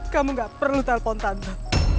kamu gak perlu telpon tante